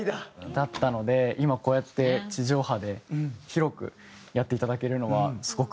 だったので今こうやって地上波で広くやっていただけるのはすごくうれしいなと。